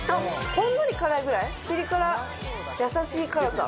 ほんのり辛いぐらい、ピリ辛、やさしい辛さ。